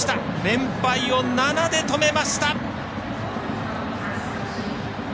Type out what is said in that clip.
連敗を７で止めました！